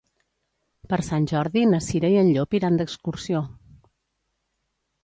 Per Sant Jordi na Cira i en Llop iran d'excursió.